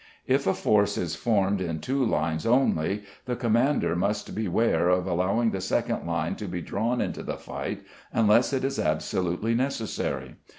If a force is formed in two lines only the commander must beware of allowing the second line to be drawn into the fight, unless it is absolutely necessary.